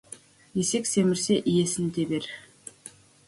Есек семірсе, иесін тебер.